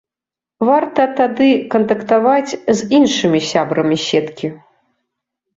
Варта тады кантактаваць з іншымі сябрамі сеткі.